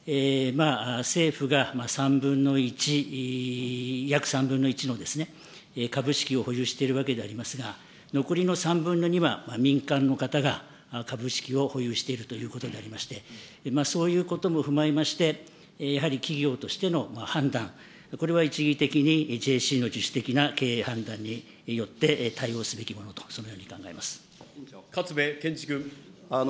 政府が３分の１、約３分の１の株式を保有しているわけでありますが、残りの３分の２は民間の方が株式を保有しているということでありまして、そういうことも踏まえまして、やはり企業としての判断、これは一義的に、の自主的な経営判断によって対応すべきものと、そのように考え勝部賢志君。